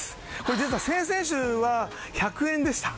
実は先々週は１００円でした。